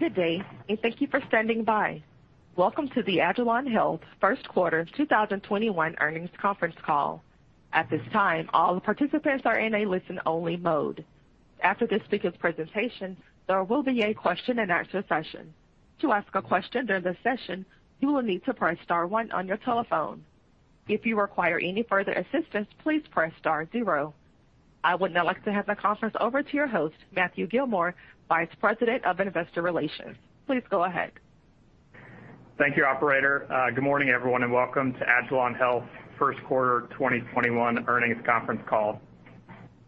Good day, and thank you for standing by. Welcome to the agilon health First Quarter 2021 Earnings Conference Call. At this time, all participants are in a listen only mode. After the speaker's presentation, there will be a question and answer session. To ask a question during the session, you will need to press star one on your telephone. If you require any further assistance, please press star zero. I would now like to hand the conference over to your host, Matthew Gillmor, Vice President of Investor Relations. Please go ahead. Thank you, operator. Good morning, everyone, and welcome to agilon health first quarter 2021 earnings conference call.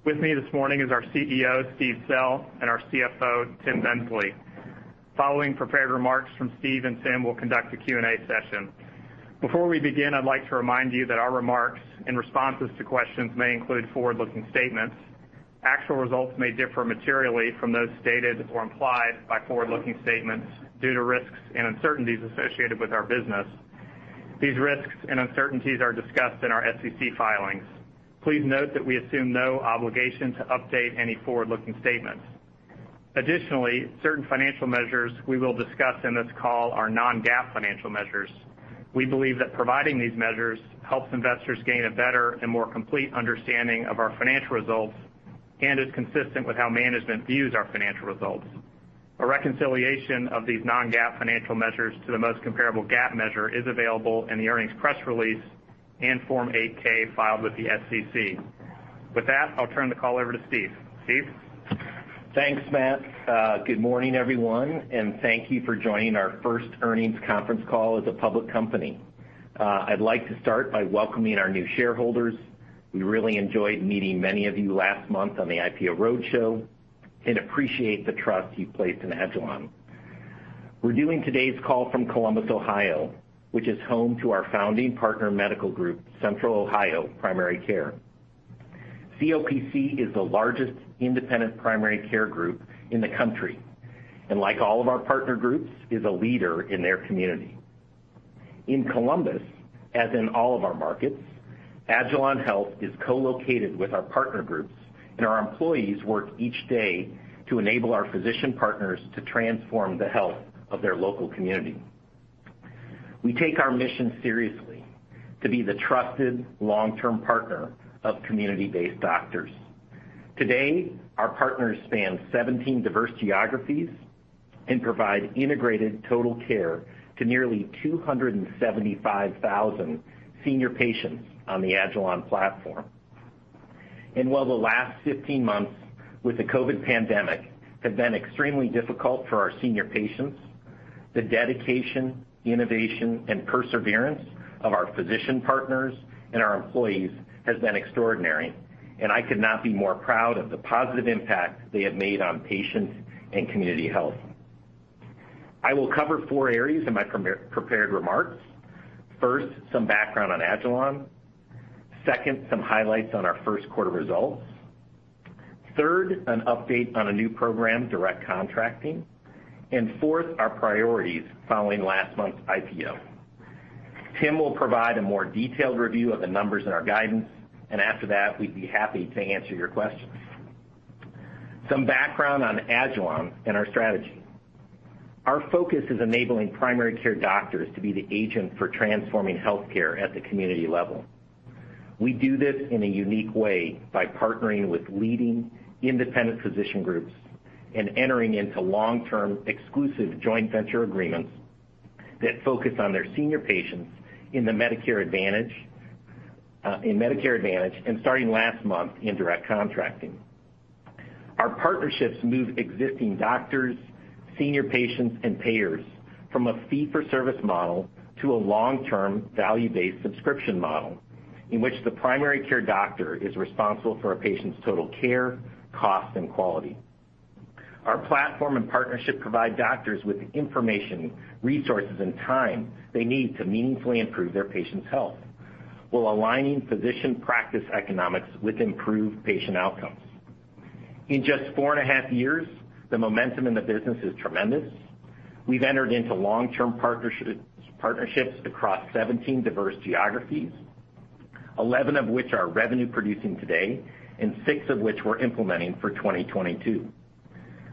With me this morning is our CEO, Steve Sell, and our CFO, Tim Bensley. Following prepared remarks from Steve and Tim, we'll conduct a Q&A session. Before we begin, I'd like to remind you that our remarks in responses to questions may include forward-looking statements. Actual results may differ materially from those stated or implied by forward-looking statements due to risks and uncertainties associated with our business. These risks and uncertainties are discussed in our SEC filings. Please note that we assume no obligation to update any forward-looking statements. Certain financial measures we will discuss in this call are non-GAAP financial measures. We believe that providing these measures helps investors gain a better and more complete understanding of our financial results and is consistent with how management views our financial results. A reconciliation of these non-GAAP financial measures to the most comparable GAAP measure is available in the earnings press release and Form 8-K filed with the SEC. With that, I'll turn the call over to Steve. Steve? Thanks, Matt. Good morning, everyone, and thank you for joining our first earnings conference call as a public company. I'd like to start by welcoming our new shareholders. We really enjoyed meeting many of you last month on the IPO roadshow and appreciate the trust you've placed in Agilon. We're doing today's call from Columbus, Ohio, which is home to our founding partner medical group, Central Ohio Primary Care. COPC is the largest independent primary care group in the country, and like all of our partner groups, is a leader in their community. In Columbus, as in all of our markets, agilon health is co-located with our partner groups, and our employees work each day to enable our physician partners to transform the health of their local community. We take our mission seriously to be the trusted long-term partner of community-based doctors. Today, our partners span 17 diverse geographies and provide integrated total care to nearly 275,000 senior patients on the agilon platform. While the last 15 months with the COVID pandemic have been extremely difficult for our senior patients, the dedication, innovation, and perseverance of our physician partners and our employees has been extraordinary, and I could not be more proud of the positive impact they have made on patients and community health. I will cover four areas in my prepared remarks. First, some background on agilon. Second, some highlights on our first quarter results. Third, an update on a new program, direct contracting. Fourth, our priorities following last month's IPO. Tim will provide a more detailed review of the numbers and our guidance, and after that, we'd be happy to answer your questions. Some background on agilon and our strategy. Our focus is enabling primary care doctors to be the agent for transforming healthcare at the community level. We do this in a unique way by partnering with leading independent physician groups and entering into long-term exclusive joint venture agreements that focus on their senior patients in Medicare Advantage, and starting last month, in direct contracting. Our partnerships move existing doctors, senior patients, and payers from a fee-for-service model to a long-term value-based subscription model, in which the primary care doctor is responsible for a patient's total care, cost, and quality. Our platform and partnership provide doctors with information, resources, and time they need to meaningfully improve their patients' health, while aligning physician practice economics with improved patient outcomes. In just four and a half years, the momentum in the business is tremendous. We've entered into long-term partnerships across 17 diverse geographies, 11 of which are revenue producing today, and six of which we're implementing for 2022.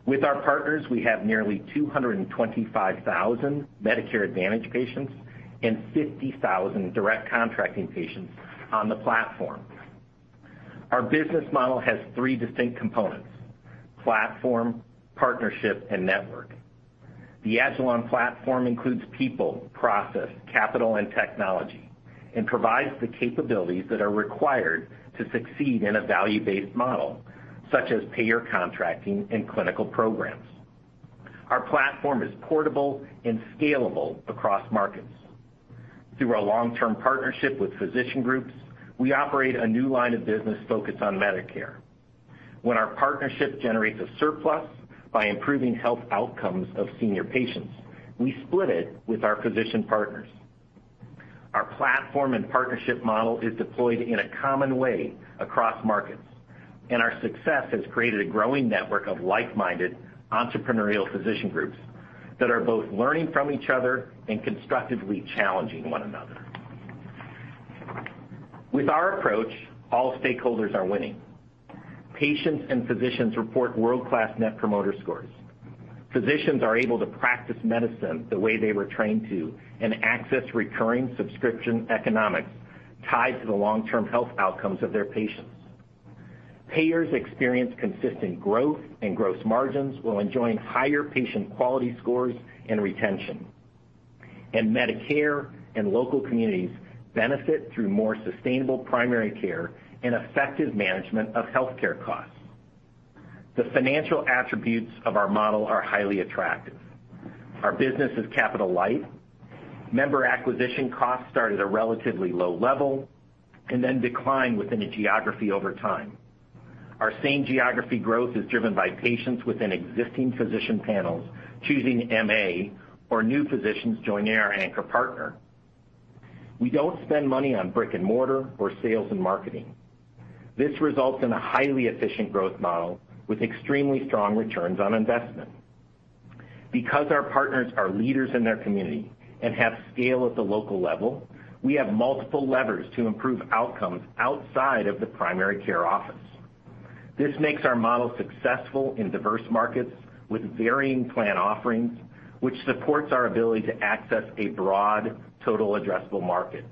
With our partners, we have nearly 225,000 Medicare Advantage patients and 50,000 direct contracting patients on the platform. Our business model has three distinct components: platform, partnership, and network. The agilon platform includes people, process, capital, and technology, and provides the capabilities that are required to succeed in a value-based model, such as payer contracting and clinical programs. Our platform is portable and scalable across markets. Through our long-term partnership with physician groups, we operate a new line of business focused on Medicare. When our partnership generates a surplus by improving health outcomes of senior patients, we split it with our physician partners. Our platform and partnership model is deployed in a common way across markets, our success has created a growing network of like-minded entrepreneurial physician groups that are both learning from each other and constructively challenging one another. With our approach, all stakeholders are winning. Patients and physicians report world-class Net Promoter Scores. Physicians are able to practice medicine the way they were trained to and access recurring subscription economics tied to the long-term health outcomes of their patients. Payers experience consistent growth and gross margins while enjoying higher patient quality scores and retention. Medicare and local communities benefit through more sustainable primary care and effective management of healthcare costs. The financial attributes of our model are highly attractive. Our business is capital light. Member acquisition costs start at a relatively low level and then decline within a geography over time. Our same geography growth is driven by patients within existing physician panels choosing MA or new physicians joining our anchor partner. We don't spend money on brick and mortar or sales and marketing. This results in a highly efficient growth model with extremely strong returns on investment. Because our partners are leaders in their community and have scale at the local level, we have multiple levers to improve outcomes outside of the primary care office. This makes our model successful in diverse markets with varying plan offerings, which supports our ability to access a broad total addressable market.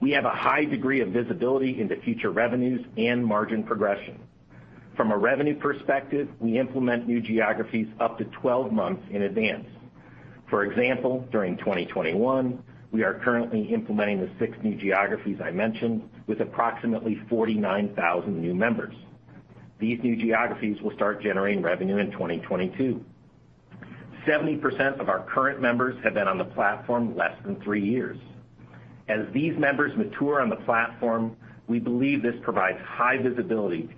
We have a high degree of visibility into future revenues and margin progression. From a revenue perspective, we implement new geographies up to 12 months in advance. For example, during 2021, we are currently implementing the six new geographies I mentioned with approximately 49,000 new members. These new geographies will start generating revenue in 2022. 70% of our current members have been on the platform less than three years. As these members mature on the platform, we believe this provides high visibility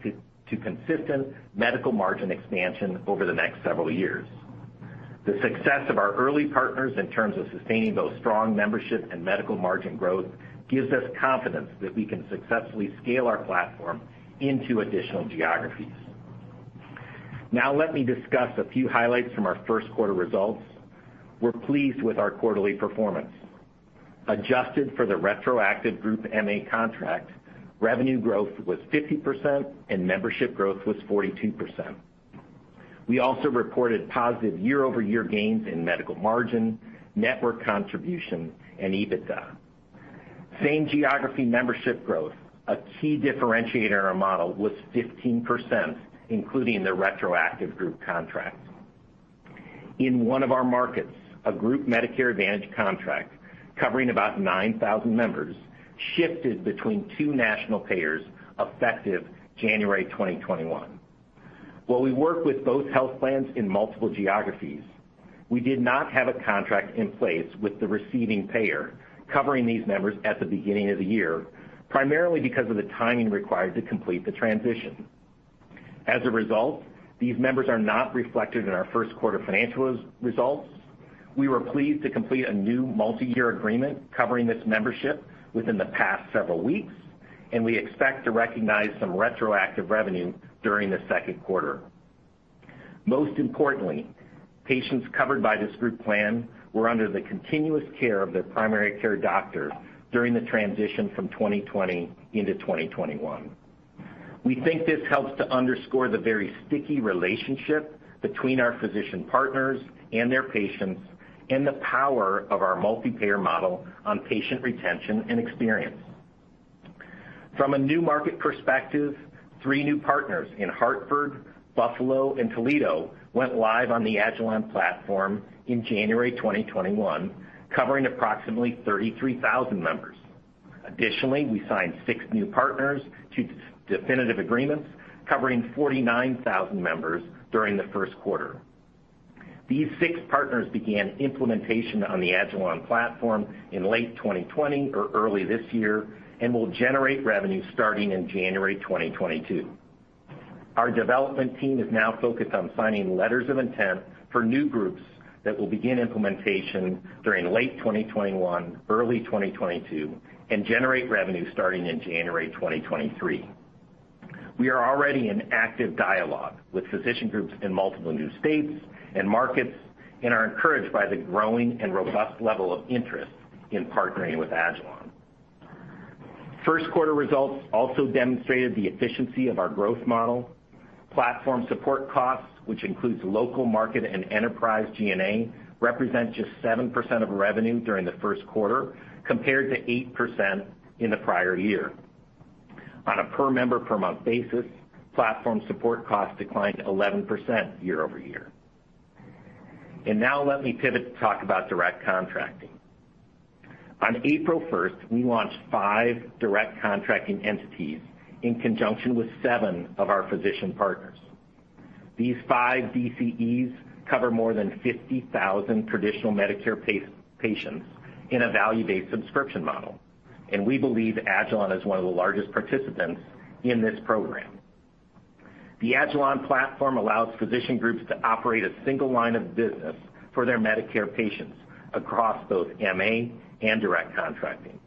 to consistent medical margin expansion over the next several years. The success of our early partners in terms of sustaining both strong membership and medical margin growth gives us confidence that we can successfully scale our platform into additional geographies. Now let me discuss a few highlights from our first quarter results. We're pleased with our quarterly performance. Adjusted for the retroactive group MA contract, revenue growth was 50% and membership growth was 42%. We also reported positive year-over-year gains in medical margin, network contribution, and EBITDA. Same geography membership growth, a key differentiator in our model, was 15%, including the retroactive group contract. In one of our markets, a group Medicare Advantage contract covering about 9,000 members shifted between two national payers effective January 2021. While we work with both health plans in multiple geographies, we did not have a contract in place with the receiving payer covering these members at the beginning of the year, primarily because of the timing required to complete the transition. As a result, these members are not reflected in our first quarter financial results. We were pleased to complete a new multi-year agreement covering this membership within the past several weeks, and we expect to recognize some retroactive revenue during the second quarter. Most importantly, patients covered by this group plan were under the continuous care of their primary care doctor during the transition from 2020 into 2021. We think this helps to underscore the very sticky relationship between our physician partners and their patients and the power of our multi-payer model on patient retention and experience. From a new market perspective, three new partners in Hartford, Buffalo, and Toledo went live on the agilon platform in January 2021, covering approximately 33,000 members. Additionally, we signed six new partners to definitive agreements covering 49,000 members during the first quarter. These six partners began implementation on the agilon platform in late 2020 or early this year and will generate revenue starting in January 2022. Our development team is now focused on signing letters of intent for new groups that will begin implementation during late 2021, early 2022, and generate revenue starting in January 2023. We are already in active dialogue with physician groups in multiple new states and markets and are encouraged by the growing and robust level of interest in partnering with agilon. First quarter results also demonstrated the efficiency of our growth model. Platform support costs, which includes local market and enterprise G&A, represent just 7% of revenue during the first quarter, compared to 8% in the prior year. On a per member per month basis, platform support costs declined 11% year-over-year. Now let me pivot to talk about direct contracting. On April 1st, we launched five Direct Contracting Entities in conjunction with seven of our physician partners. These five DCEs cover more than 50,000 traditional Medicare patients in a value-based subscription model, and we believe agilon is one of the largest participants in this program. The agilon platform allows physician groups to operate a single line of business for their Medicare patients across both MA and direct contracting.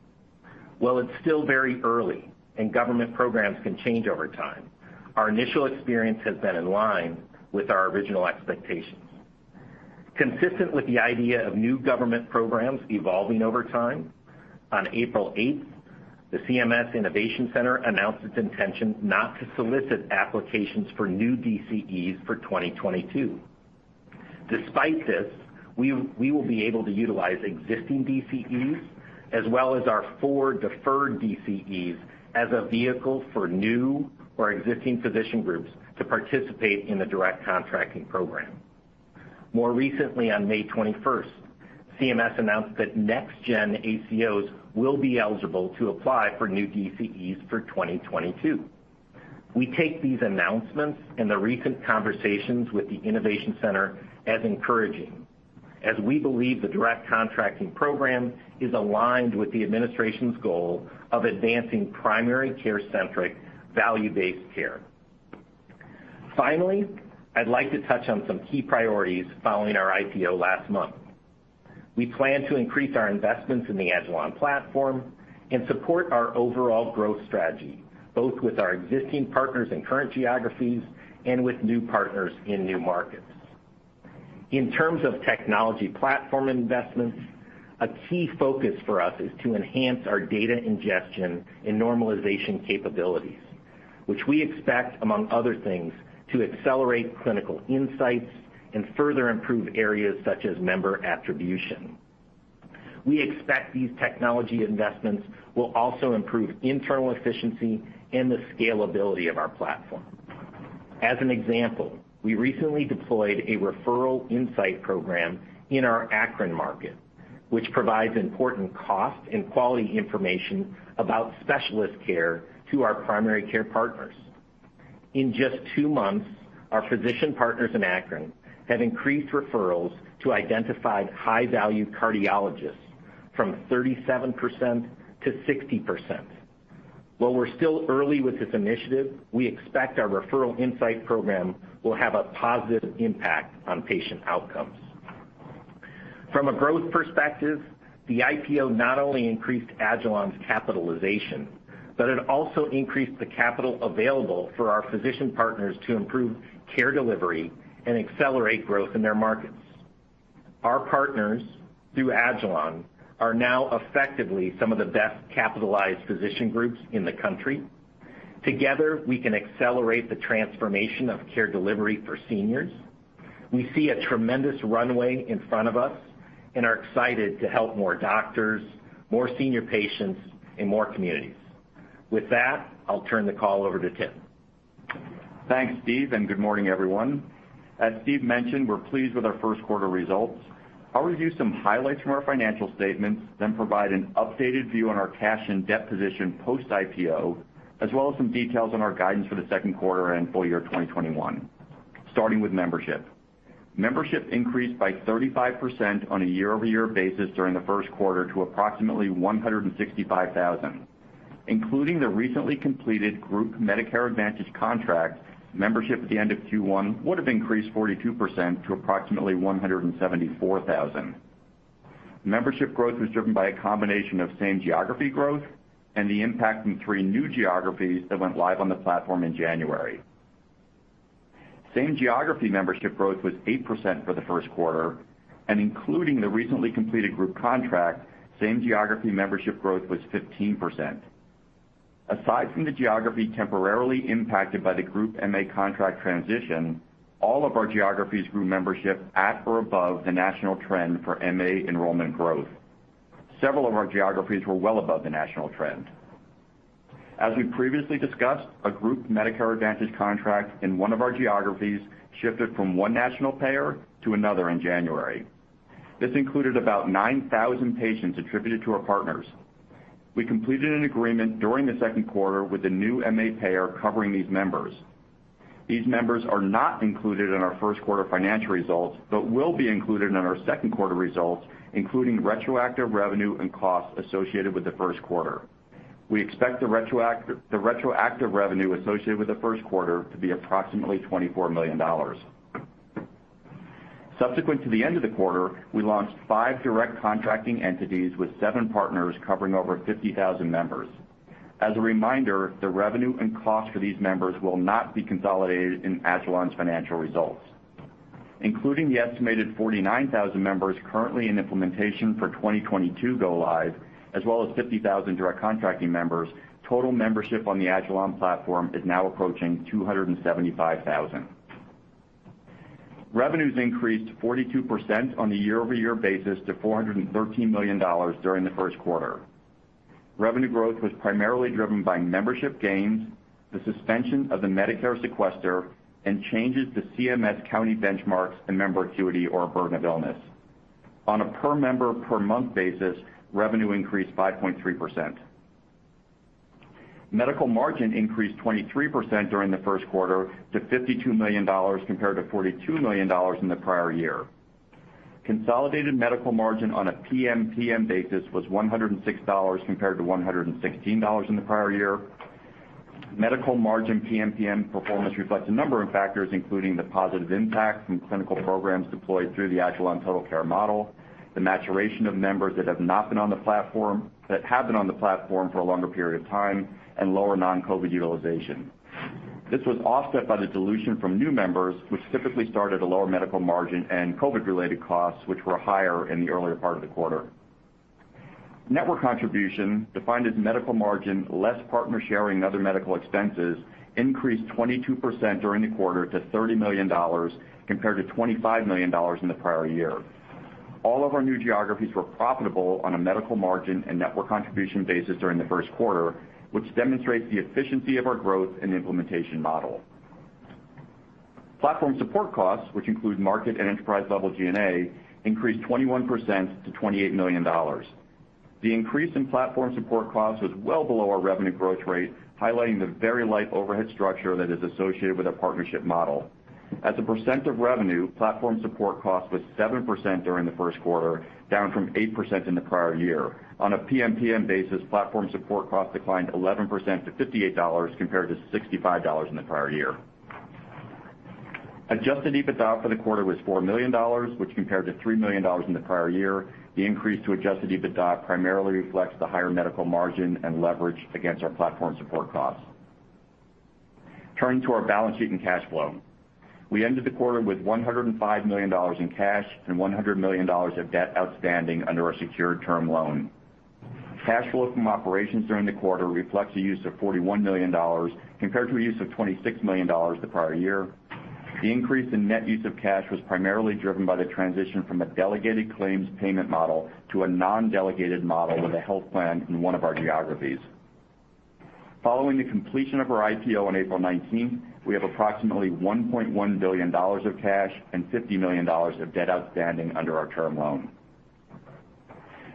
While it's still very early and government programs can change over time, our initial experience has been in line with our original expectations. Consistent with the idea of new government programs evolving over time, on April 8th, the CMS Innovation Center announced its intention not to solicit applications for new DCEs for 2022. Despite this, we will be able to utilize existing DCEs, as well as our four deferred DCEs as a vehicle for new or existing physician groups to participate in the direct contracting program. More recently, on May 21st, CMS announced that Next Gen ACOs will be eligible to apply for new DCEs for 2022. We take these announcements and the recent conversations with the Innovation Center as encouraging, as we believe the direct contracting program is aligned with the administration's goal of advancing primary care-centric, value-based care. Finally, I'd like to touch on some key priorities following our IPO last month. We plan to increase our investments in the agilon platform and support our overall growth strategy, both with our existing partners in current geographies and with new partners in new markets. In terms of technology platform investments, a key focus for us is to enhance our data ingestion and normalization capabilities, which we expect, among other things, to accelerate clinical insights and further improve areas such as member attribution. We expect these technology investments will also improve internal efficiency and the scalability of our platform. As an example, we recently deployed a referral insight program in our Akron market, which provides important cost and quality information about specialist care to our primary care partners. In just two months, our physician partners in Akron have increased referrals to identified high-value cardiologists from 37% to 60%. While we're still early with this initiative, we expect our referral insight program will have a positive impact on patient outcomes. From a growth perspective, the IPO not only increased agilon's capitalization, it also increased the capital available for our physician partners to improve care delivery and accelerate growth in their markets. Our partners, through agilon, are now effectively some of the best capitalized physician groups in the country. Together, we can accelerate the transformation of care delivery for seniors. We see a tremendous runway in front of us and are excited to help more doctors, more senior patients, and more communities. With that, I'll turn the call over to Tim. Thanks, Steve, and good morning, everyone. As Steve mentioned, we're pleased with our first quarter results. I'll review some highlights from our financial statements, then provide an updated view on our cash and debt position post IPO, as well as some details on our guidance for the second quarter and full year 2021. Starting with membership. Membership increased by 35% on a year-over-year basis during the first quarter to approximately 165,000. Including the recently completed group Medicare Advantage contract, membership at the end of Q1 would have increased 42% to approximately 174,000. Membership growth was driven by a combination of same geography growth and the impact from three new geographies that went live on the platform in January. Same geography membership growth was 8% for the first quarter, and including the recently completed group contract, same geography membership growth was 15%. Aside from the geography temporarily impacted by the group MA contract transition, all of our geographies grew membership at or above the national trend for MA enrollment growth. Several of our geographies were well above the national trend. As we previously discussed, a group Medicare Advantage contract in one of our geographies shifted from one national payer to another in January. This included about 9,000 patients attributed to our partners. We completed an agreement during the second quarter with the new MA payer covering these members. These members are not included in our first quarter financial results but will be included in our second quarter results, including retroactive revenue and costs associated with the first quarter. We expect the retroactive revenue associated with the first quarter to be approximately $24 million. Subsequent to the end of the quarter, we launched five direct contracting entities with seven partners covering over 50,000 members. As a reminder, the revenue and cost for these members will not be consolidated in agilon's financial results. Including the estimated 49,000 members currently in implementation for 2022 go live, as well as 50,000 direct contracting members, total membership on the agilon platform is now approaching 275,000. Revenues increased 42% on a year-over-year basis to $413 million during the first quarter. Revenue growth was primarily driven by membership gains, the suspension of the Medicare sequester, and changes to CMS county benchmarks and member acuity or burden of illness. On a per member per month basis, revenue increased 5.3%. Medical margin increased 23% during the first quarter to $52 million compared to $42 million in the prior year. Consolidated medical margin on a PMPM basis was $106 compared to $116 in the prior year. Medical margin PMPM performance reflects a number of factors, including the positive impact from clinical programs deployed through the agilon Total Care Model, the maturation of members that have been on the platform for a longer period of time, and lower non-COVID utilization. This was offset by the dilution from new members, which typically start at a lower medical margin, and COVID-related costs, which were higher in the earlier part of the quarter. Network contribution, defined as medical margin less partner sharing and other medical expenses, increased 22% during the quarter to $30 million, compared to $25 million in the prior year. All of our new geographies were profitable on a medical margin and network contribution basis during the first quarter, which demonstrates the efficiency of our growth and implementation model. Platform support costs, which include market and enterprise-level G&A, increased 21% to $28 million. The increase in platform support costs was well below our revenue growth rate, highlighting the very light overhead structure that is associated with our partnership model. As a percent of revenue, platform support cost was 7% during the first quarter, down from 8% in the prior year. On a PMPM basis, platform support cost declined 11% to $58, compared to $65 in the prior year. Adjusted EBITDA for the quarter was $4 million, which compared to $3 million in the prior year. The increase to adjusted EBITDA primarily reflects the higher medical margin and leverage against our platform support costs. Turning to our balance sheet and cash flow. We ended the quarter with $105 million in cash and $100 million of debt outstanding under our secured term loan. Cash flow from operations during the quarter reflects a use of $41 million compared to a use of $26 million the prior year. The increase in net use of cash was primarily driven by the transition from a delegated claims payment model to a non-delegated model with a health plan in one of our geographies. Following the completion of our IPO on April 19th, we have approximately $1.1 billion of cash and $50 million of debt outstanding under our term loan.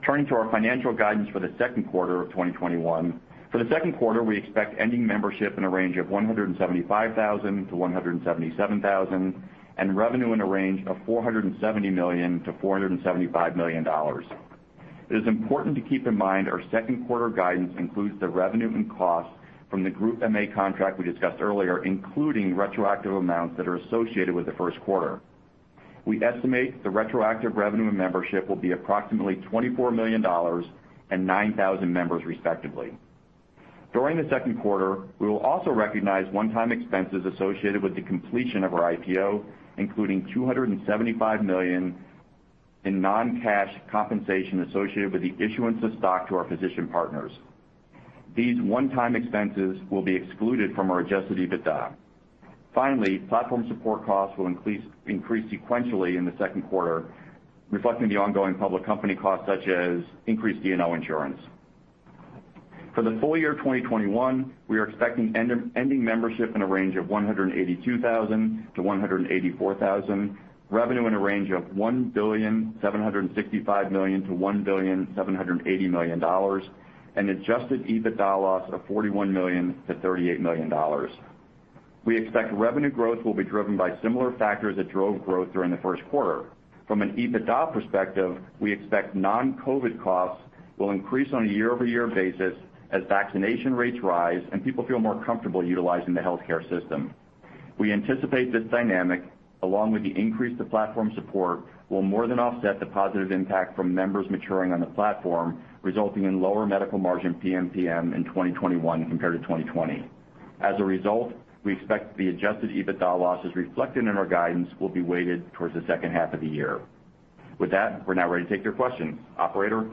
Turning to our financial guidance for the second quarter of 2021. For the second quarter, we expect ending membership in a range of 175,000-177,000, and revenue in a range of $470 million-$475 million. It is important to keep in mind our second quarter guidance includes the revenue and cost from the group MA contract we discussed earlier, including retroactive amounts that are associated with the first quarter. We estimate the retroactive revenue and membership will be approximately $24 million and 9,000 members, respectively. During the second quarter, we will also recognize one-time expenses associated with the completion of our IPO, including $275 million in non-cash compensation associated with the issuance of stock to our physician partners. These one-time expenses will be excluded from our adjusted EBITDA. Finally, platform support costs will increase sequentially in the second quarter, reflecting the ongoing public company costs such as increased D&O insurance. For the full year 2021, we are expecting ending membership in a range of 182,000-184,000, revenue in a range of $1.765 billion-$1.780 billion, and adjusted EBITDA loss of $41 million-$38 million. We expect revenue growth will be driven by similar factors that drove growth during the first quarter. From an EBITDA perspective, we expect non-COVID costs will increase on a year-over-year basis as vaccination rates rise and people feel more comfortable utilizing the healthcare system. We anticipate this dynamic, along with the increase to platform support, will more than offset the positive impact from members maturing on the platform, resulting in lower medical margin PMPM in 2021 compared to 2020. We expect the adjusted EBITDA losses reflected in our guidance will be weighted towards the second half of the year. With that, we're now ready to take your questions. Operator?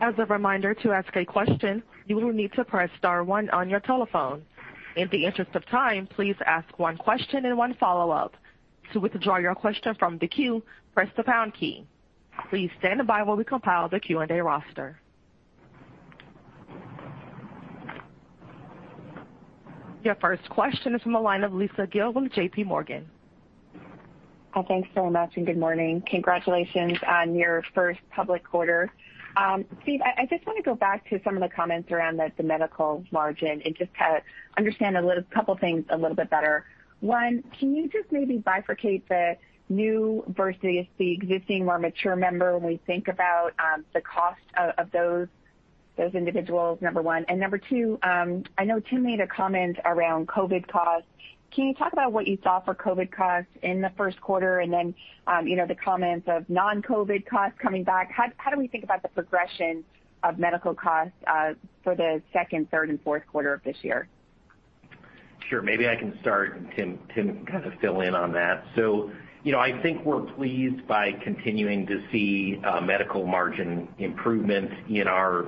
As a reminder, to ask a question you will need to press star one on your telephone. To keep on time, please ask one question and one follow-up, to withdraw your question from the queue, press pound key. Please wait while we compile the Q&A roster. Your first question is from the line of Lisa Gill with J.P. Morgan. Thanks so much. Good morning. Congratulations on your first public quarter. Steve, I just want to go back to some of the comments around the medical margin and just kind of understand a couple things a little bit better. One, can you just maybe bifurcate the new versus the existing, more mature member when we think about the cost of those individuals, number one? Number two, I know Tim made a comment around COVID costs. Can you talk about what you saw for COVID costs in the first quarter and then the comments of non-COVID costs coming back? How do we think about the progression of medical costs for the second, third, and fourth quarter of this year? Sure. Maybe I can start, Tim can kind of fill in on that. I think we're pleased by continuing to see medical margin improvements in our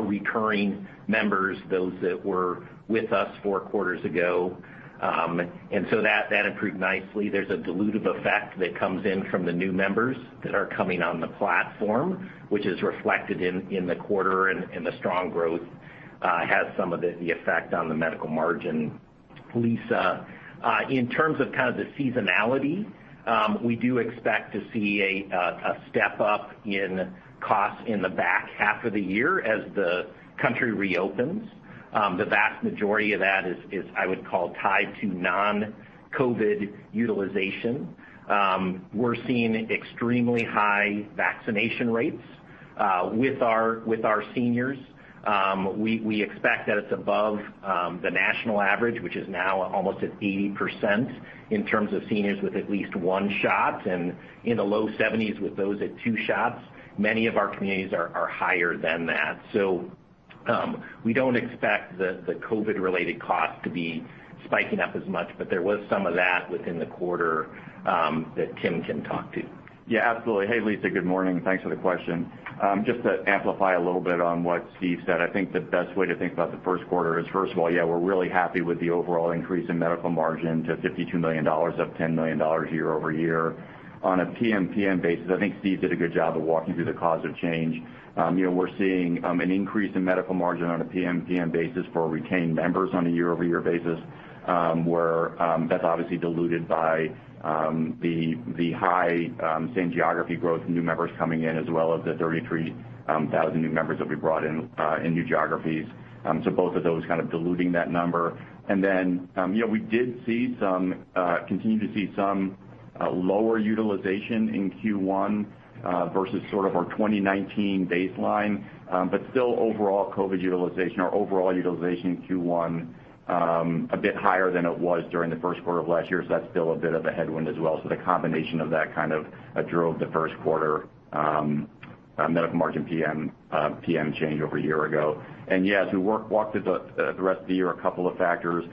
recurring members, those that were with us four quarters ago. That improved nicely. There's a dilutive effect that comes in from the new members that are coming on the platform, which is reflected in the quarter and the strong growth, has some of the effect on the medical margin. Lisa, in terms of kind of the seasonality, we do expect to see a step-up in costs in the back half of the year as the country reopens. The vast majority of that is, I would call, tied to non-COVID utilization. We're seeing extremely high vaccination rates with our seniors. We expect that it's above the national average, which is now almost at 80% in terms of seniors with at least one shot, and in the low 70s with those at two shots. Many of our communities are higher than that. We don't expect the COVID-related costs to be spiking up as much, but there was some of that within the quarter that Tim can talk to. Absolutely. Hey, Lisa Gill, good morning, and thanks for the question. Just to amplify a little bit on what Steve said, I think the best way to think about the first quarter is, first of all, we're really happy with the overall increase in medical margin to $52 million, up $10 million year-over-year. On a PMPM basis, I think Steve did a good job of walking through the cause of change. We're seeing an increase in medical margin on a PMPM basis for retained members on a year-over-year basis, where that's obviously diluted by the high same geography growth, new members coming in, as well as the 33,000 new members that we brought in new geographies. Both of those kind of diluting that number. Then, we did continue to see some lower utilization in Q1 versus our 2019 baseline. Still overall COVID utilization or overall utilization in Q1, a bit higher than it was during the first quarter of last year, so that's still a bit of a headwind as well. The combination of that kind of drove the first quarter medical margin PMPM change over a year ago. Yeah, as we walk through the rest of the year, a couple of factors.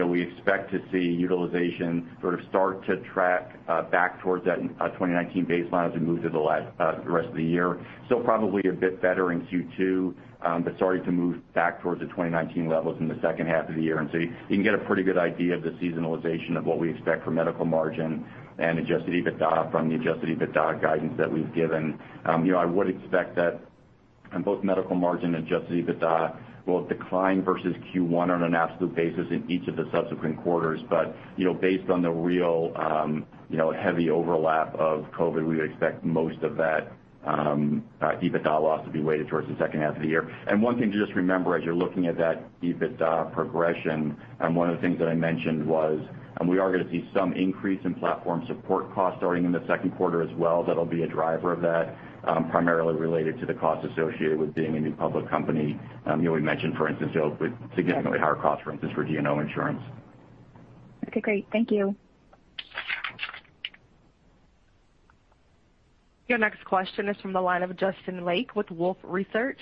We expect to see utilization sort of start to track back towards that 2019 baseline as we move through the rest of the year. Still probably a bit better in Q2, but starting to move back towards the 2019 levels in the second half of the year. So you can get a pretty good idea of the seasonalization of what we expect for medical margin and adjusted EBITDA from the adjusted EBITDA guidance that we've given. I would expect that both medical margin and adjusted EBITDA will decline versus Q1 on an absolute basis in each of the subsequent quarters. Based on the real heavy overlap of COVID, we expect most of that EBITDA loss to be weighted towards the second half of the year. One thing to just remember as you're looking at that EBITDA progression, one of the things that I mentioned was, we are going to see some increase in platform support costs starting in the second quarter as well, that'll be a driver of that, primarily related to the costs associated with being a new public company. We mentioned, for instance, significantly higher cost for D&O insurance. Okay, great. Thank you. Your next question is from the line of Justin Lake with Wolfe Research.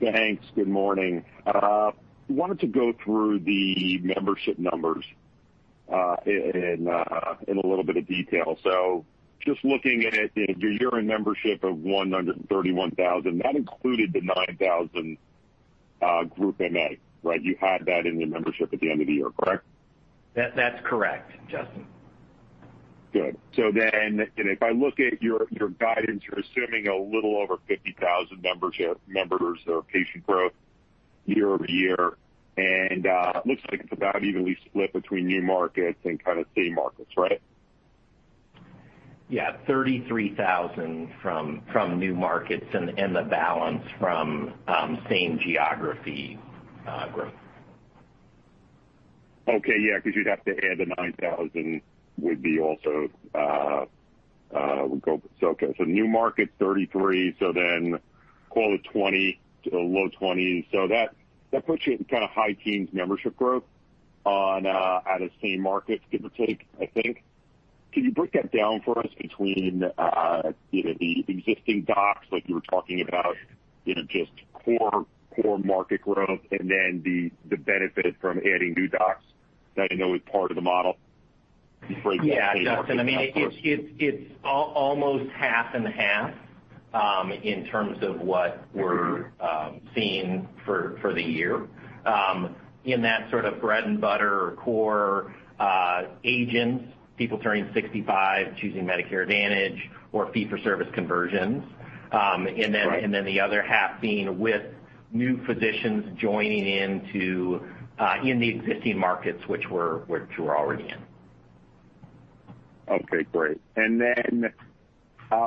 Thanks. Good morning. Wanted to go through the membership numbers in a little bit of detail. Just looking at it, your year-end membership of 131,000, that included the 9,000 group MA, right? You had that in your membership at the end of the year, correct? That's correct, Justin. Good. If I look at your guidance, you're assuming a little over 50,000 membership numbers or patient growth year-over-year, and looks like it's about evenly split between new markets and kind of same markets, right? 33,000 from new markets and the balance from same geography growth. Okay. Yeah, because you'd have to add the 9,000 would go. New market 33, so then close 20 to the low-20s. That puts you at kind of high teens membership growth out of same markets, give or take, I think. Can you break that down for us between the existing docs like you were talking about, just core market growth and then the benefit from adding new docs that you know is part of the model? Yeah. It's almost half and half in terms of what we're seeing for the year, in that sort of bread and butter core agents, people turning 65, choosing Medicare Advantage or fee for service conversions. Right. The other half being with new physicians joining into the existing markets which we're already in. Okay, great. Then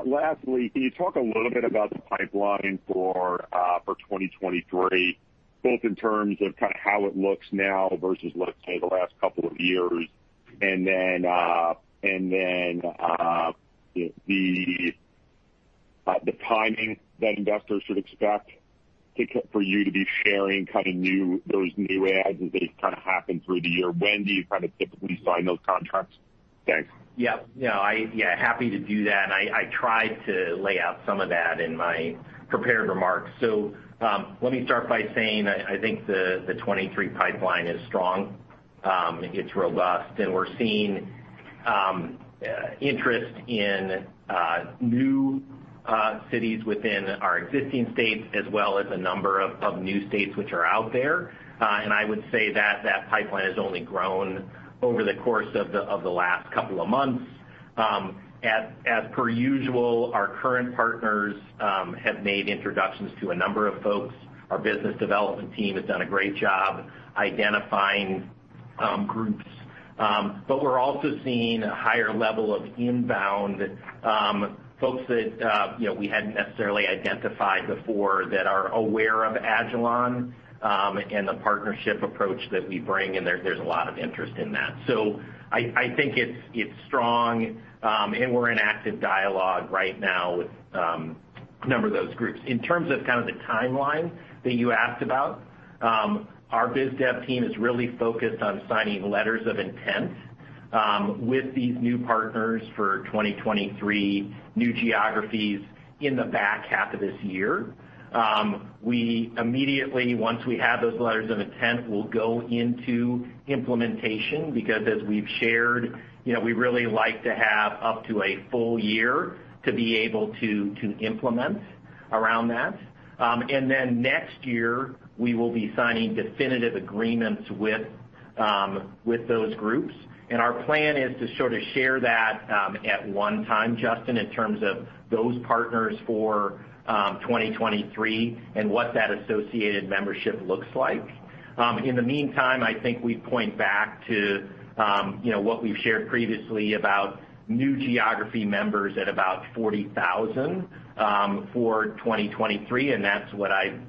lastly, can you talk a little bit about the pipeline for 2023, both in terms of how it looks now versus, let's say, the last couple of years, then the timing that investors should expect for you to be sharing those new adds as they happen through the year? When do you typically sign those contracts? Thanks. Yeah. Happy to do that. I tried to lay out some of that in my prepared remarks. Let me start by saying I think the 2023 pipeline is strong. It's robust, and we're seeing interest in new cities within our existing states as well as a number of new states which are out there. I would say that that pipeline has only grown over the course of the last couple of months. As per usual, our current partners have made introductions to a number of folks. Our business development team has done a great job identifying groups. We're also seeing a higher level of inbound folks that we hadn't necessarily identified before that are aware of agilon, and the partnership approach that we bring, and there's a lot of interest in that. I think it's strong, and we're in active dialogue right now with a number of those groups. In terms of the timeline that you asked about, our business development team is really focused on signing letters of intent. With these new partners for 2023, new geographies in the back half of this year. We immediately, once we have those letters of intent, will go into implementation because as we've shared, we really like to have up to a full year to be able to implement around that. Next year, we will be signing definitive agreements with those groups. Our plan is to sort of share that at one time, Justin, in terms of those partners for 2023 and what that associated membership looks like. In the meantime, I think we point back to what we've shared previously about new geography members at about 40,000 for 2023, and that's what I'd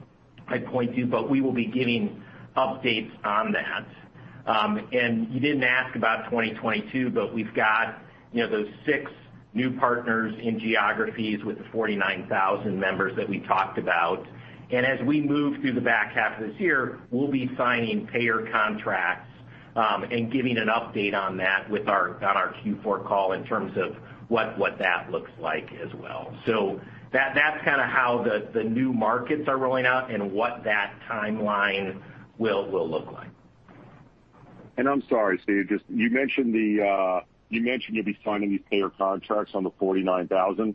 point to. We will be giving updates on that. You didn't ask about 2022, but we've got those six new partners in geographies with 49,000 members that we talked about. As we move through the back half of this year, we'll be signing payer contracts, and giving an update on that on our Q4 call in terms of what that looks like as well. That's kind of how the new markets are rolling out and what that timeline will look like. I'm sorry, you mentioned you'd be signing these payer contracts on the 49,000.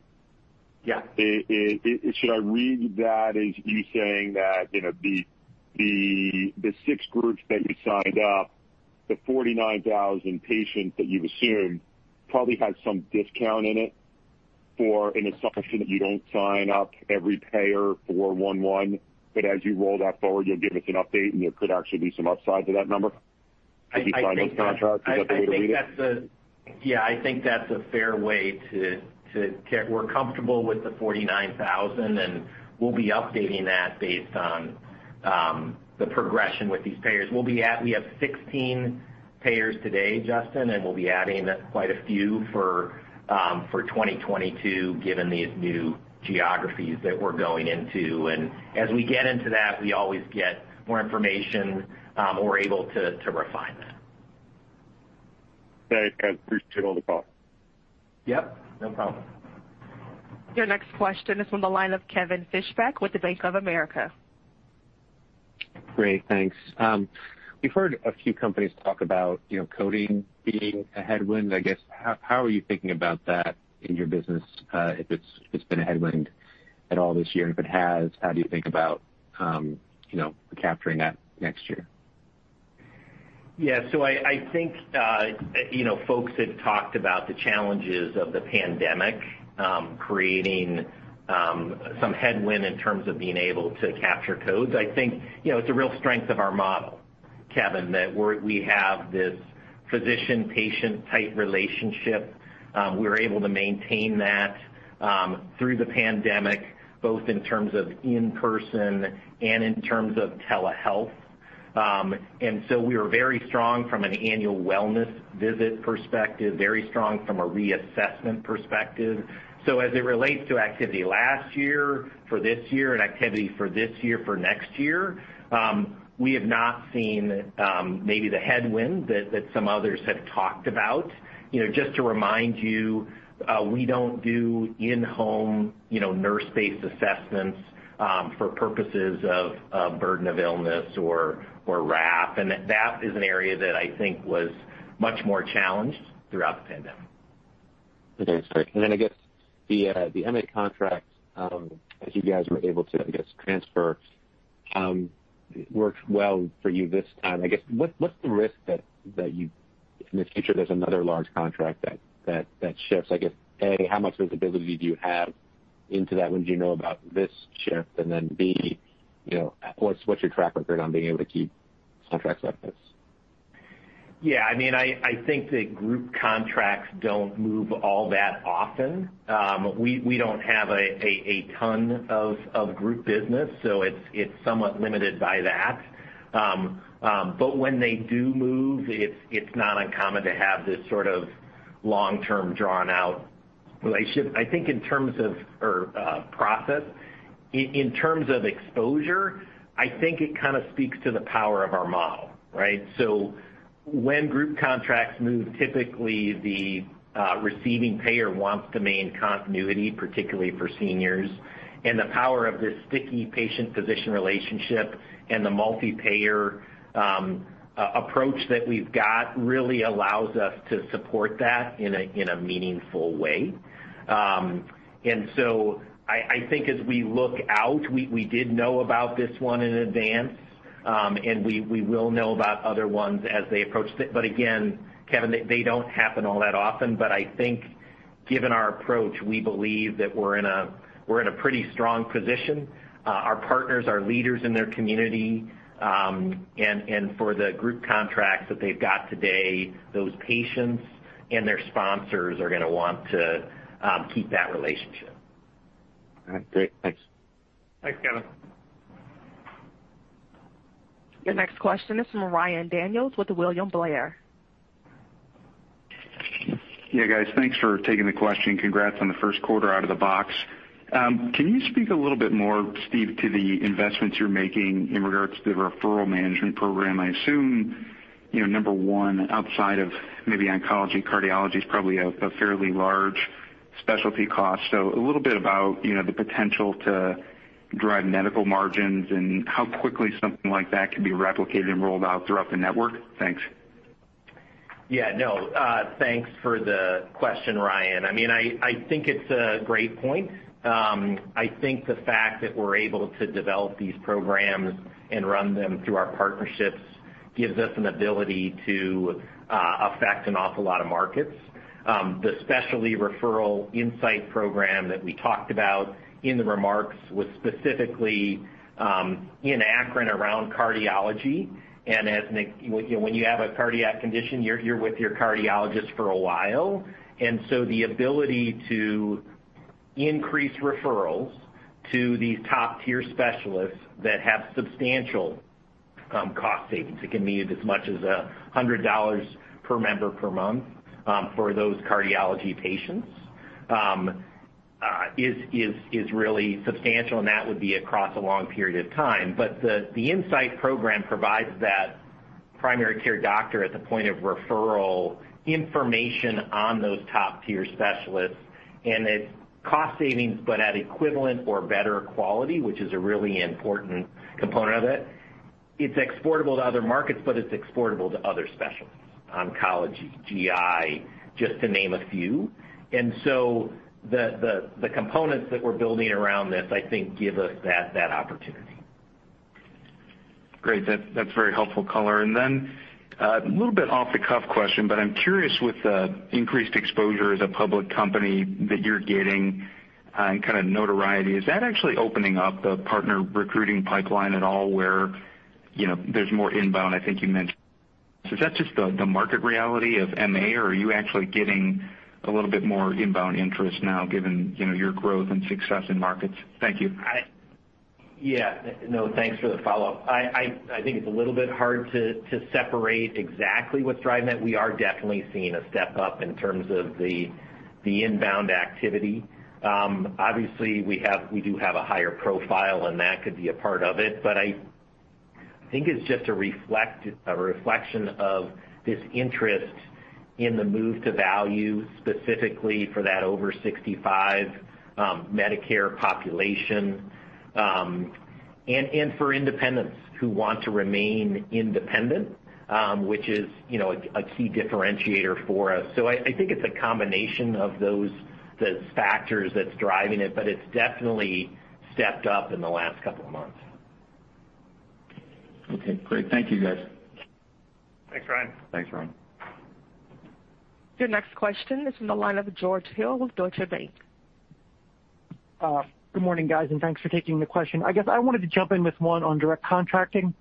Yeah. Should I read that as you saying that the six groups that you signed up, the 49,000 patients that you've assumed probably have some discount in it for an assumption that you don't sign up every payer one-on-one, but as you roll that forward, you'll give us an update, and there could actually be some upside to that number? As you sign those contracts, is that the way to read it? Yeah, I think that's a fair way to get. We're comfortable with the 49,000, we'll be updating that based on the progression with these payers. We have 16 payers today, Justin, we'll be adding quite a few for 2022, given these new geographies that we're going into. As we get into that, we always get more information, and we're able to refine that. Okay. I appreciate all the thoughts. Yep, no problem. Your next question is on the line of Kevin Fischbeck with Bank of America. Great, thanks. We've heard a few companies talk about coding being a headwind, I guess. How are you thinking about that in your business, if it's been a headwind at all this year? If it has, how do you think about capturing that next year? I think folks have talked about the challenges of the pandemic creating some headwind in terms of being able to capture codes. I think it's a real strength of our model, Kevin, that we have this physician-patient type relationship. We were able to maintain that through the pandemic, both in terms of in-person and in terms of telehealth. We are very strong from an annual wellness visit perspective, very strong from a reassessment perspective. As it relates to activity last year for this year and activity for this year for next year, we have not seen maybe the headwinds that some others have talked about. Just to remind you, we don't do in-home nurse-based assessments for purposes of Burden of Illness or RAF, that is an area that I think was much more challenged throughout the pandemic. Okay, great. I guess the MA contract, as you guys were able to, I guess, transfer, it worked well for you this time. What's the risk that in the future there's another large contract that shifts? A, how much visibility do you have into that when you know about this shift? B, what's your track record on being able to keep contracts like this? Yeah. I think that group contracts don't move all that often. We don't have a ton of group business, it's somewhat limited by that. When they do move, it's not uncommon to have this sort of long-term drawn-out relationship. I think in terms of process, in terms of exposure, I think it kind of speaks to the power of our model, right? When group contracts move, typically the receiving payer wants to maintain continuity, particularly for seniors. The power of this sticky patient-physician relationship and the multi-payer approach that we've got really allows us to support that in a meaningful way. I think as we look out, we did know about this one in advance. We will know about other ones as they approach it. Again, Kevin, they don't happen all that often. I think given our approach, we believe that we're in a pretty strong position. Our partners are leaders in their community, and for the group contracts that they've got today, those patients and their sponsors are going to want to keep that relationship. All right, great. Thanks. Thanks, Kevin. Your next question is from Ryan Daniels with William Blair. Yeah, guys, thanks for taking the question. Congrats on the first quarter out of the box. Can you speak a little bit more, Steve, to the investments you're making in regards to the referral management program? I assume, number one, outside of maybe oncology, cardiology is probably a fairly large specialty cost. A little bit about the potential to drive medical margins and how quickly something like that can be replicated and rolled out throughout the network. Thanks. Thanks for the question, Ryan. I think it's a great point. I think the fact that we're able to develop these programs and run them through our partnerships gives us an ability to affect an awful lot of markets. The specialty referral insight program that we talked about in the remarks was specifically in Akron around cardiology. When you have a cardiac condition, you're with your cardiologist for a while, so the ability to increase referrals to these top-tier specialists that have substantial cost savings, it can be as much as $100 per member per month for those cardiology patients, is really substantial, and that would be across a long period of time. The insight program provides that primary care doctor at the point of referral information on those top-tier specialists, and it's cost savings, but at equivalent or better quality, which is a really important component of it. It's exportable to other markets, but it's exportable to other specialties, oncology, GI, just to name a few. The components that we're building around this, I think, give us that opportunity. That's very helpful color. Then a little bit off-the-cuff question, but I'm curious with the increased exposure as a public company that you're getting and kind of notoriety, is that actually opening up the partner recruiting pipeline at all where there's more inbound, I think you mentioned? Is that just the market reality of MA, or are you actually getting a little bit more inbound interest now given your growth and success in markets? Thank you. Yeah, no, thanks for the follow-up. I think it's a little bit hard to separate exactly what's driving it. We are definitely seeing a step up in terms of the inbound activity. Obviously, we do have a higher profile, and that could be a part of it. I think it's just a reflection of this interest in the move to value, specifically for that over 65 Medicare population, and for independents who want to remain independent, which is a key differentiator for us. I think it's a combination of those factors that's driving it, but it's definitely stepped up in the last couple of months. Okay, great. Thank you, guys. Thanks, Ryan. Thanks, Ryan. Your next question is in the line of George Hill with Deutsche Bank. Good morning, guys, and thanks for taking the question. I guess I wanted to jump in with one on direct contracting.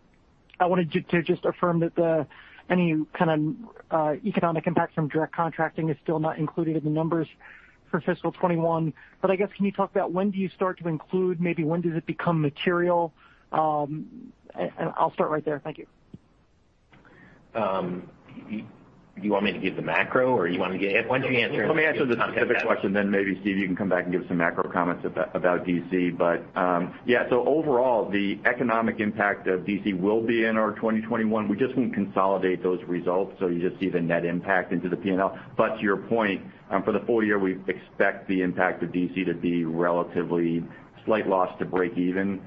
I wanted you to just affirm that any kind of economic impact from direct contracting is still not included in the numbers for FY 2021. I guess can you talk about when do you start to include, maybe when does it become material? I'll start right there. Thank you. You want me to give the macro, or you want to get? Let me answer this first question, then maybe, Steve, you can come back and give some macro comments about DC. Yeah, overall, the economic impact of DC will be in our 2021. We just wouldn't consolidate those results, you just see the net impact into the P&L. To your point, for the full year, we expect the impact of DC to be relatively slight loss to break even.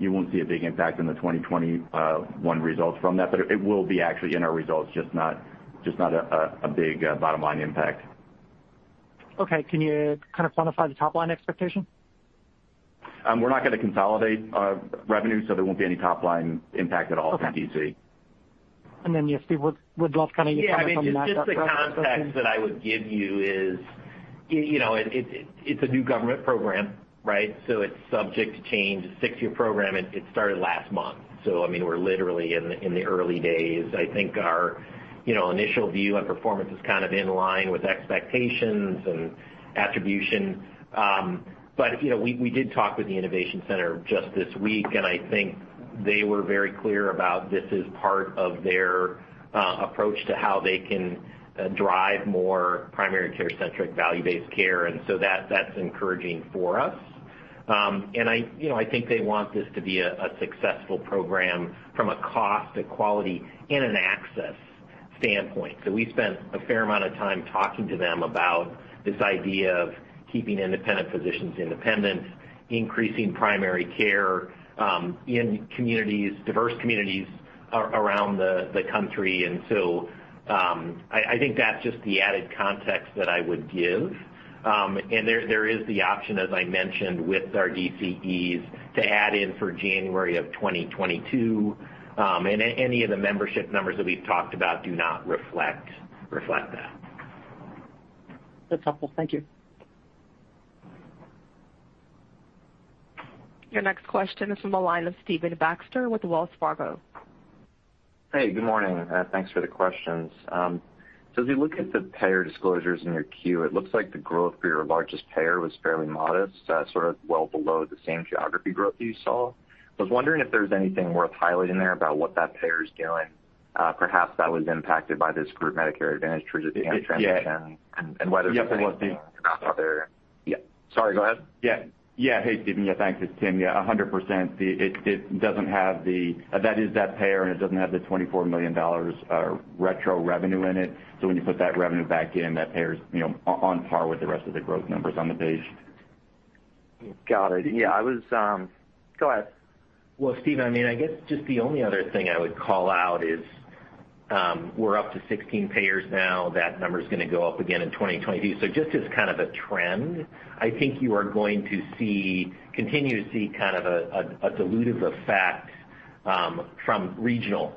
You won't see a big impact in the 2021 results from that, but it will be actually in our results, just not a big bottom-line impact. Okay. Can you quantify the top-line expectation? We're not going to consolidate revenue, so there won't be any top-line impact at all from DC. Okay. Steve. Yeah, I mean, just the context that I would give you is, it's a new government program, right. It's subject to change. It's a six-year program, and it started last month. I mean, we're literally in the early days. I think our initial view on performance is kind of in line with expectations and attribution. We did talk with the Innovation Center just this week, and I think they were very clear about this is part of their approach to how they can drive more primary care-centric, value-based care, and so that's encouraging for us. I think they want this to be a successful program from a cost to quality and an access standpoint. We've spent a fair amount of time talking to them about this idea of keeping independent physicians independent, increasing primary care in diverse communities around the country. I think that's just the added context that I would give. There is the option, as I mentioned, with our DCEs to add in for January of 2022. Any of the membership numbers that we've talked about do not reflect that. That's helpful. Thank you. Your next question is from the line of Stephen Baxter with Wells Fargo. Hey, good morning, thanks for the questions. As we look at the payer disclosures in your Q, it looks like the growth for your largest payer was fairly modest, sort of well below the same geography growth that you saw. I was wondering if there's anything worth highlighting there about what that payer is doing. Perhaps that was impacted by this group Medicare Advantage transition. Yeah Whether other Yeah. Sorry, go ahead. Yeah. Hey, Stephen. Yeah, thanks. It's Tim. Yeah, 100%. That is that payer, and it doesn't have the $24 million retro revenue in it. When you put that revenue back in, that payer's on par with the rest of the growth numbers on the page. Got it. Yeah. Go ahead. Stephen I guess just the only other thing I would call out is, we're up to 16 payers now. That number's going to go up again in 2022. Just as kind of a trend, I think you are going to continue to see kind of a dilutive effect from regional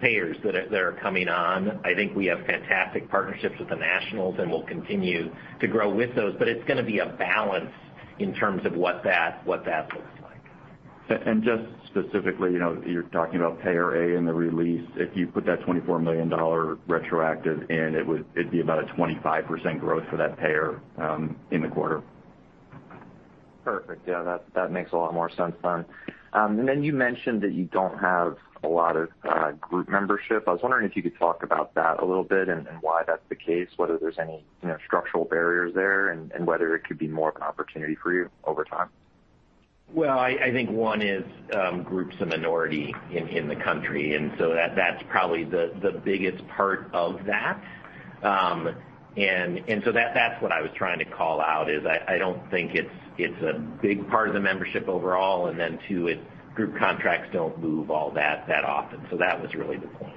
payers that are coming on. I think we have fantastic partnerships with the nationals, and we'll continue to grow with those. It's going to be a balance in terms of what that looks like. Just specifically, you're talking about payer A in the release. If you put that $24 million retroactive in, it'd be about a 25% growth for that payer in the quarter. Perfect. Yeah, that makes a lot more sense then. You mentioned that you don't have a lot of group membership. I was wondering if you could talk about that a little bit and why that's the case, whether there's any structural barriers there, and whether it could be more of an opportunity for you over time. Well, I think one is group's a minority in the country, that's probably the biggest part of that. That's what I was trying to call out, is I don't think it's a big part of the membership overall, two, group contracts don't move all that often. That was really the point.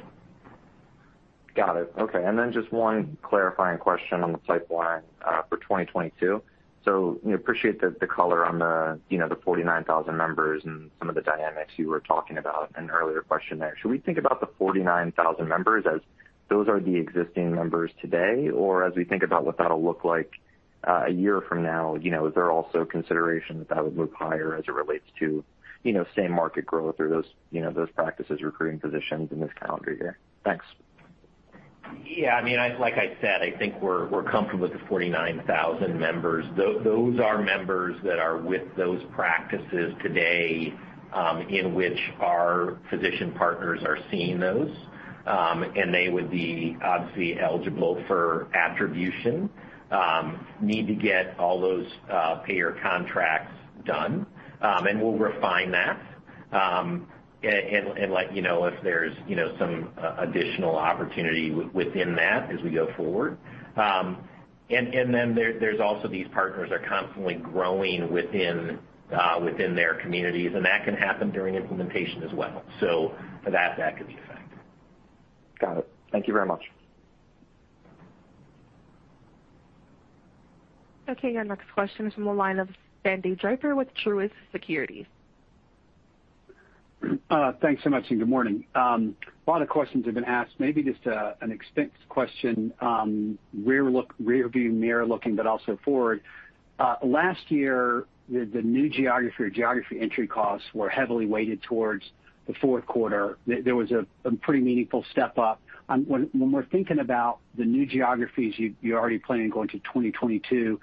Got it. Okay, just one clarifying question on slide one for 2022. Appreciate the color on the 49,000 members and some of the dynamics you were talking about in an earlier question there. Should we think about the 49,000 members as those are the existing members today? As we think about what that'll look like a year from now, is there also consideration that that would move higher as it relates to same market growth or those practices recruiting physicians in this calendar year? Thanks. Yeah, like I said, I think we're comfortable with the 49,000 members. Those are members that are with those practices today, in which our physician partners are seeing those. They would be obviously eligible for attribution. Need to get all those payer contracts done. We'll refine that, and let you know if there's some additional opportunity within that as we go forward. There's also these partners are constantly growing within their communities, and that can happen during implementation as well. That could be a factor. Got it. Thank you very much. Our next question is from the line of Sandy Draper with Truist Securities. Thanks so much. Good morning. A lot of questions have been asked, maybe just an extent question. Rear-view mirror looking, but also forward. Last year, the new geography or geography entry costs were heavily weighted towards the fourth quarter. There was a pretty meaningful step-up. When we're thinking about the new geographies you already plan on going to 2022,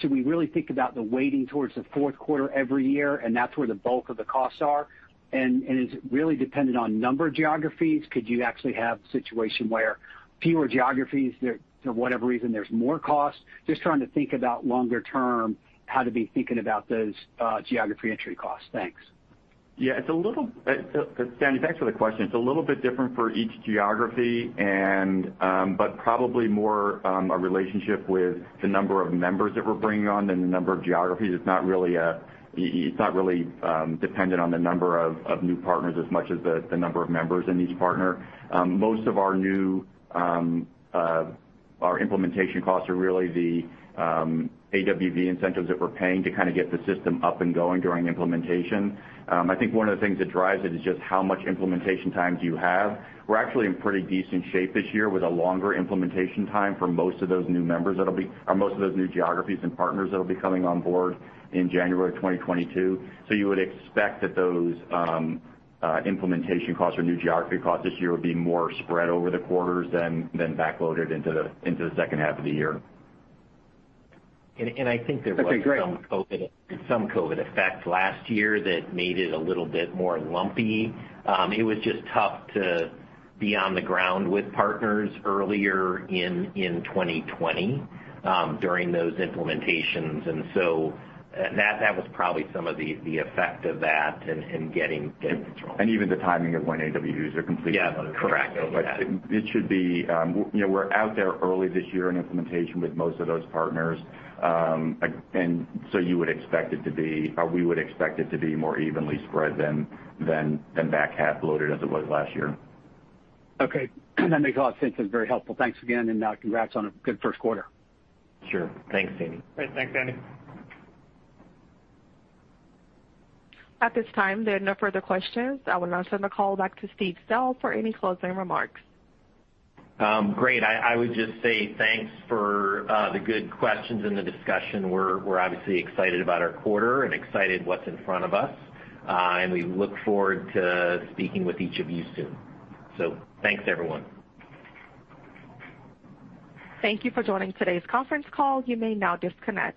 should we really think about the weighting towards the fourth quarter every year, and that's where the bulk of the costs are? Is it really dependent on number of geographies? Could you actually have a situation where fewer geographies, for whatever reason, there's more cost? Just trying to think about longer term, how to be thinking about those geography entry costs. Thanks. Yeah, Sandy, thanks for the question. It's a little bit different for each geography, but probably more a relationship with the number of members that we're bringing on than the number of geographies. It's not really dependent on the number of new partners as much as the number of members in each partner. Most of our implementation costs are really the AWV incentives that we're paying to kind of get the system up and going during implementation. I think one of the things that drives it is just how much implementation time do you have? We're actually in pretty decent shape this year with a longer implementation time for most of those new geographies and partners that'll be coming on board in January of 2022. You would expect that those implementation costs or new geography costs this year would be more spread over the quarters than back-loaded into the second half of the year. I think there was some Okay. Great. COVID effect last year that made it a little bit more lumpy. It was just tough to be on the ground with partners earlier in 2020 during those implementations. That was probably some of the effect of that in getting things rolling. Even the timing of when AWVs are completed. Yeah, correct. It should be, we're out there early this year in implementation with most of those partners. We would expect it to be more evenly spread than back half loaded as it was last year. Okay. That makes a lot of sense. That is very helpful. Thanks again, and congrats on a good first quarter. Sure. Thanks, Sandy. Great. Thanks, Sandy. At this time, there are no further questions. I will now turn the call back to Steve Sell for any closing remarks. Great. I would just say thanks for the good questions and the discussion. We're obviously excited about our quarter and excited what's in front of us. We look forward to speaking with each of you soon. Thanks, everyone. Thank you for joining today's conference call. You may now disconnect.